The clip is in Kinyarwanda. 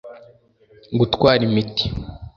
gutwara imiti